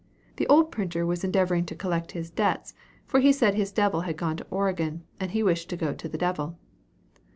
The old printer was endeavoring to collect his debts for he said his devil had gone to Oregon, and he wished to go to the devil.